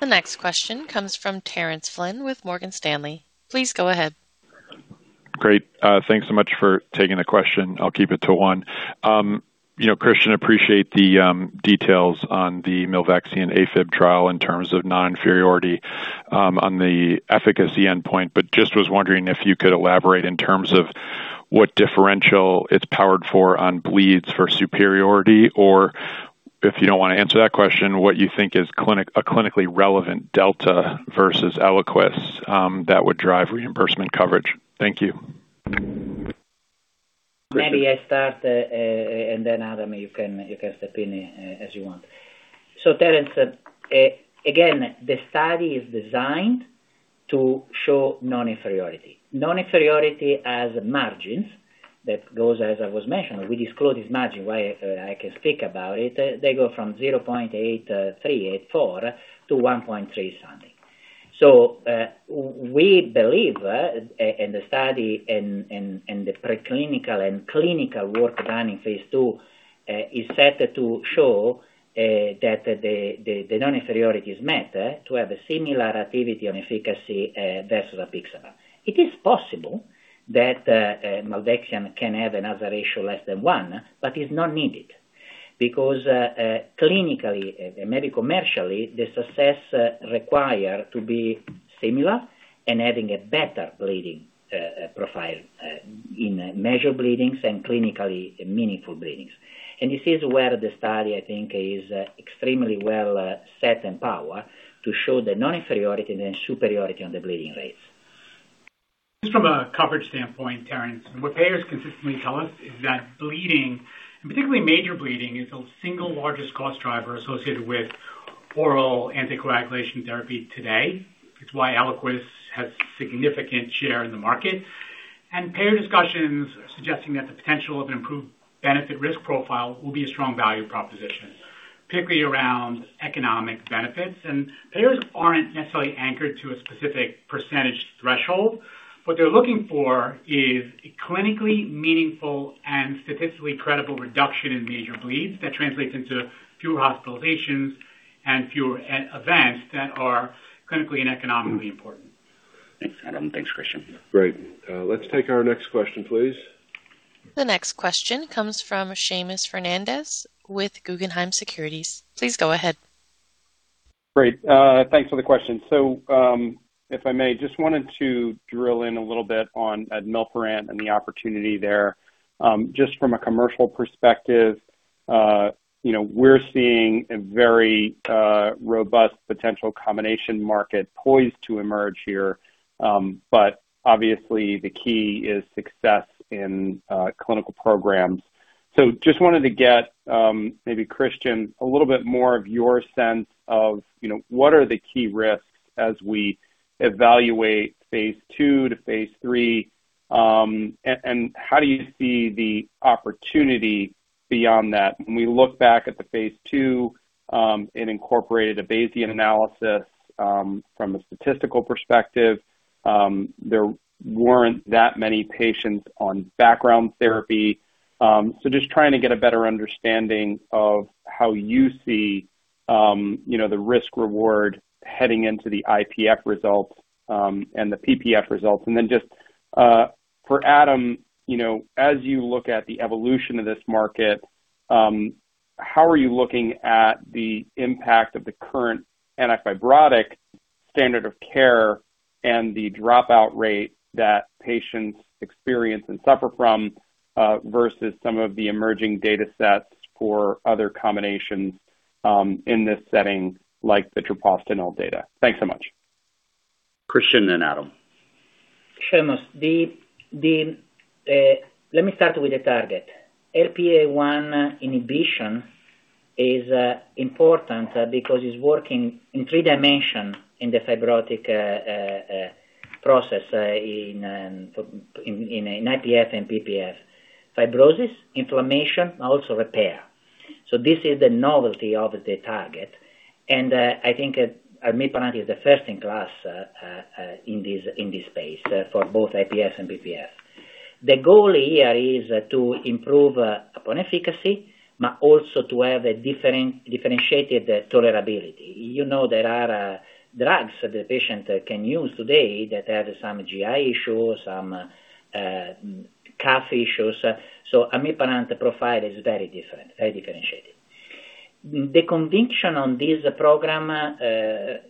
The next question comes from Terence Flynn with Morgan Stanley. Please go ahead. Great. Thanks so much for taking the question. I'll keep it to one. You know, Cristian, appreciate the details on the milvexian AFib trial in terms of non-inferiority on the efficacy endpoint. Just was wondering if you could elaborate in terms of what differential it's powered for on bleeds for superiority, or if you don't wanna answer that question, what you think is a clinically relevant delta versus Eliquis that would drive reimbursement coverage. Thank you. Maybe I start, and then Adam, you can, you can step in as you want. Terence, again, the study is designed to show non-inferiority. Non-inferiority as margins that goes, as I was mentioning, we disclose this margin, why I can speak about it. They go from 0.83, 0.84 to 1.3 something. We believe, and the study and, and the preclinical and clinical work done in phase II, is set to show that the, the non-inferiorities met to have a similar activity on efficacy versus apixaban. It is possible that milvexian can have another ratio less than 1, but it's not needed because clinically, medico-commercially, the success require to be similar and having a better bleeding profile in measure bleedings and clinically meaningful bleedings. This is where the study, I think, is extremely well set and power to show the non-inferiority then superiority on the bleeding rates. Just from a coverage standpoint, Terence, what payers consistently tell us is that bleeding, and particularly major bleeding, is the single largest cost driver associated with oral anticoagulation therapy today. It's why Eliquis has significant share in the market. Payer discussions are suggesting that the potential of an improved benefit risk profile will be a strong value proposition, particularly around economic benefits. Payers aren't necessarily anchored to a specific percentage threshold. What they're looking for is a clinically meaningful and statistically credible reduction in major bleeds that translates into fewer hospitalizations and fewer e-events that are clinically and economically important. Thanks, Adam. Thanks, Cristian. Great. Let's take our next question, please. The next question comes from Seamus Fernandez with Guggenheim Securities. Please go ahead. Great. Thanks for the question. If I may, just wanted to drill in a little bit on admilparant and the opportunity there. Just from a commercial perspective, you know, we're seeing a very robust potential combination market poised to emerge here. Obviously the key is success in clinical programs. Just wanted to get maybe Cristian, a little bit more of your sense of, you know, what are the key risks as we evaluate phase II to phase III? And how do you see the opportunity beyond that? When we look back at the phase II, it incorporated a Bayesian analysis from a statistical perspective. There weren't that many patients on background therapy. Just trying to get a better understanding of how you see, you know, the risk-reward heading into the IPF results and the PPF results. Then just for Adam, you know, as you look at the evolution of this market, how are you looking at the impact of the current antifibrotic standard of care and the dropout rate that patients experience and suffer from versus some of the emerging data sets for other combinations in this setting, like the treprostinil data? Thanks so much. Cristian and Adam. Seamus, let me start with the target. LPA1 inhibition is important because it's working in three-dimension in the fibrotic process in IPF and PPF. Fibrosis, inflammation, also repair. This is the novelty of the target. I think admilprant is the first in class in this space for both IPF and PPF. The goal here is to improve upon efficacy, but also to have a differentiated tolerability. You know, there are drugs that the patient can use today that have some GI issues, some calf issues. Admilparant profile is very different, very differentiated. The conviction on this program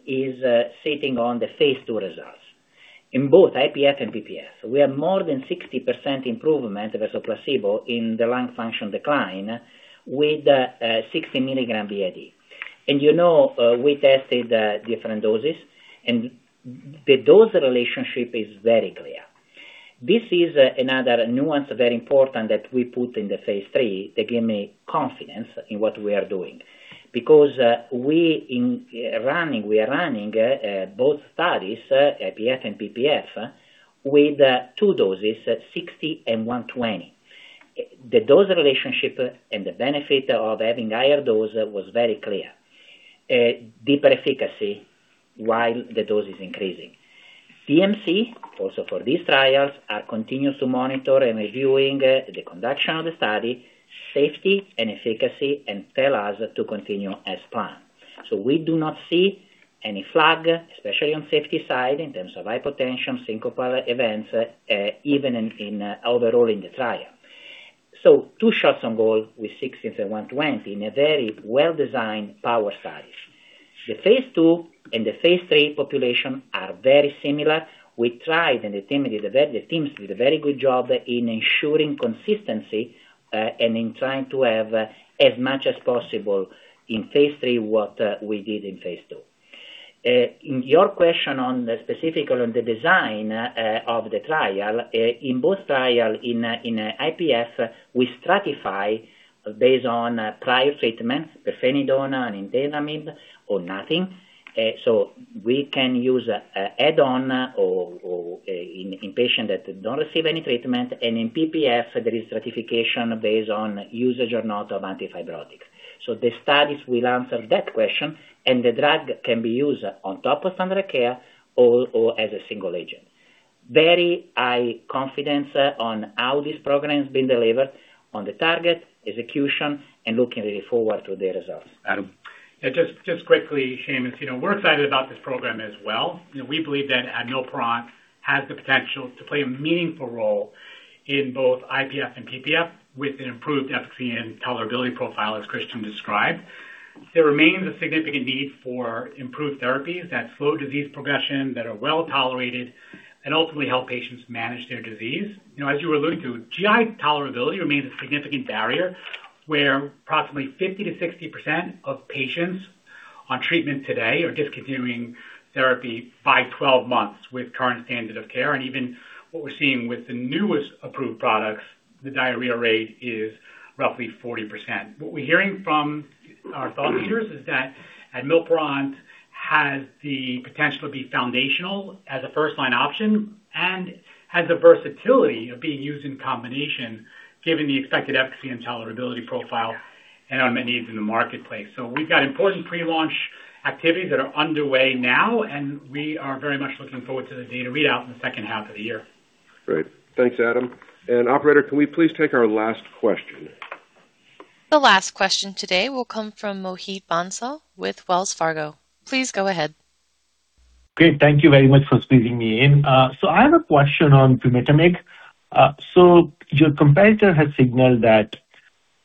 is sitting on the phase II results. In both IPF and PPF, we have more than 60% improvement versus placebo in the lung function decline with 60 mg BID. You know, we tested different doses and the dose relationship is very clear. This is another nuance, very important, that we put in the phase III that give me confidence in what we are doing. We are running both studies, IPF and PPF, with two doses, 60 and 120. The dose relationship and the benefit of having higher dose was very clear. Deeper efficacy while the dose is increasing. PMC, also for these trials, are continuous to monitor and reviewing the conduction of the study, safety and efficacy, and tell us to continue as planned. We do not see any flag, especially on safety side in terms of hypotension, syncopal events, even in overall in the trial. Two shots on goal with 60 and 120 in a very well-designed power size. The phase II and the phase III population are very similar. We tried, and the teams did a very good job in ensuring consistency, and in trying to have as much as possible in phase III what we did in phase II. Your question on the specific on the design of the trial. In both trial, in IPF, we stratify based on prior treatment, pirfenidone, and nintedanib or nothing. We can use add-on or in-patient that don't receive any treatment. In PPF there is stratification based on usage or not of antifibrotics. The studies will answer that question, and the drug can be used on top of standard care or as a single agent. Very high confidence on how this program has been delivered on the target, execution, and looking really forward to the results. Adam? Just quickly, Seamus, you know, we're excited about this program as well. We believe that admilparant has the potential to play a meaningful role in both IPF and PPF with an improved efficacy and tolerability profile, as Cristian described. There remains a significant need for improved therapies that slow disease progression, that are well-tolerated and ultimately help patients manage their disease. As you alluded to, GI tolerability remains a significant barrier, where approximately 50%-60% of patients on treatment today are discontinuing therapy by 12 months with current standard of care. Even what we're seeing with the newest approved products, the diarrhea rate is roughly 40%. What we're hearing from our thought leaders is that admilprant has the potential to be foundational as a first-line option and has the versatility of being used in combination, given the expected efficacy and tolerability profile and unmet needs in the marketplace. We've got important pre-launch activities that are underway now, and we are very much looking forward to the data readout in the second half of the year. Great. Thanks, Adam. Operator, can we please take our last question? The last question today will come from Mohit Bansal with Wells Fargo. Please go ahead. Great, thank you very much for squeezing me in. I have a question on Pumitamig. Your competitor has signaled that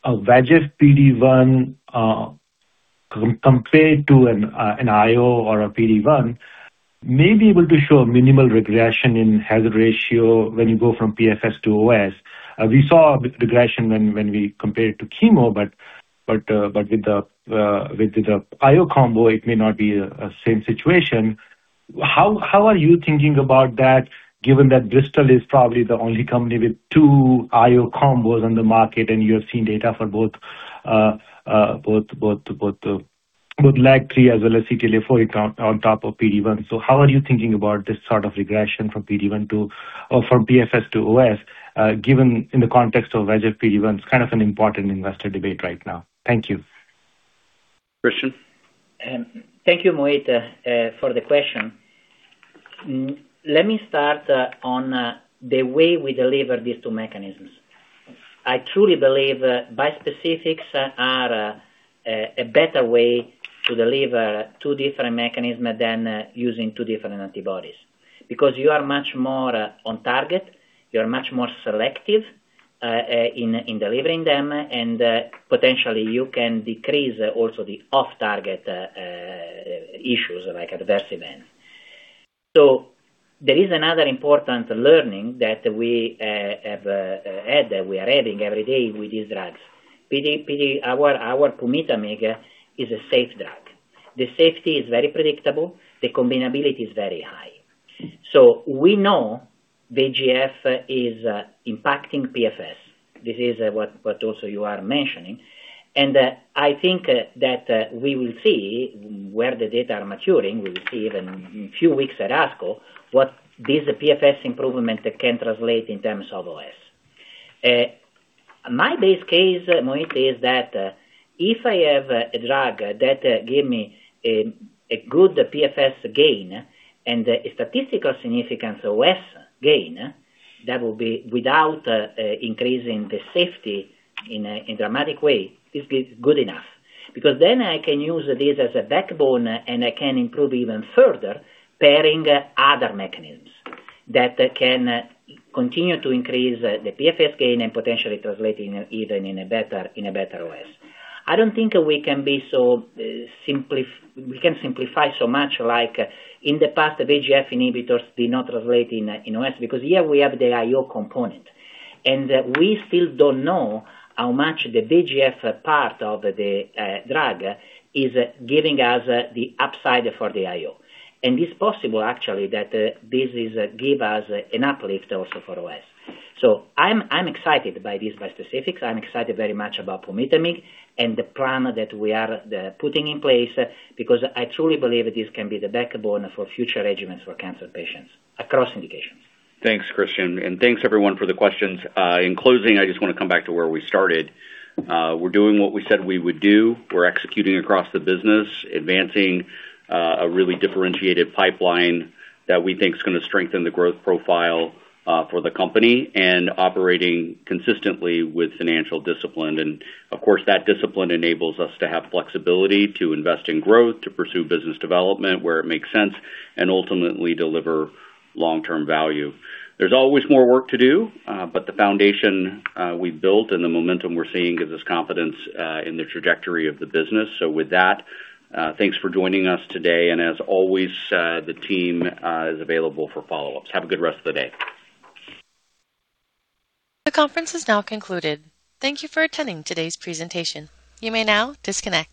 a VEGF/PD-1 compared to an IO or a PD-1, may be able to show a minimal regression in hazard ratio when you go from PFS to OS. We saw regression when we compared to chemo, but with the IO combo, it may not be a same situation. How are you thinking about that, given that Bristol is probably the only company with two IO combos on the market, and you have seen data for both with LAG-3 as well as CTLA-4 on top of PD-1. How are you thinking about this sort of regression from PD-1 to...from PFS to OS, given in the context of VEGF/PD-1? It's kind of an important investor debate right now. Thank you. Cristian? Thank you, Mohit, for the question. Let me start on the way we deliver these two mechanisms. I truly believe bispecifics are a better way to deliver two different mechanisms than using two different antibodies. You are much more on target, you are much more selective in delivering them, and potentially you can decrease also the off-target issues like adverse event. There is another important learning that we have had, that we are having every day with these drugs. Our Pumitamig is a safe drug. The safety is very predictable, the combinability is very high. We know VEGF is impacting PFS. This is what also you are mentioning. I think that we will see where the data are maturing. We will see even in few weeks at ASCO what this PFS improvement can translate in terms of OS. My base case, Mohit, is that if I have a drug that give me a good PFS gain and a statistical significance OS gain, that will be without increasing the safety in a dramatic way, is good enough. Then I can use this as a backbone, and I can improve even further pairing other mechanisms that can continue to increase the PFS gain and potentially translating even in a better, in a better OS. I don't think we can simplify so much like in the past VEGF inhibitors did not relate in OS because here we have the IO component. We still don't know how much the VEGF part of the drug is giving us the upside for the IO. It's possible actually that this is, give us an uplift also for OS. I'm excited by this bispecifics. I'm excited very much about promitamab and the plan that we are putting in place because I truly believe this can be the backbone for future regimens for cancer patients across indications. Thanks, Cristian, and thanks everyone for the questions. In closing, I just wanna come back to where we started. We're doing what we said we would do. We're executing across the business, advancing a really differentiated pipeline that we think is gonna strengthen the growth profile for the company, and operating consistently with financial discipline. Of course, that discipline enables us to have flexibility to invest in growth, to pursue business development where it makes sense and ultimately deliver long-term value. There's always more work to do, but the foundation we've built and the momentum we're seeing gives us confidence in the trajectory of the business. With that, thanks for joining us today, and as always, the team is available for follow-ups. Have a good rest of the day. The conference is now concluded. Thank you for attending today's presentation. You may now disconnect.